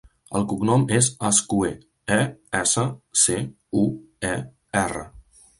El cognom és Escuer: e, essa, ce, u, e, erra.